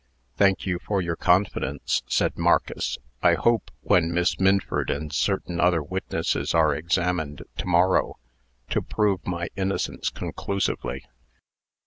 "Thank you for your confidence," said Marcus. "I hope, when Miss Minford and certain other witnesses are examined to morrow, to prove my innocence conclusively."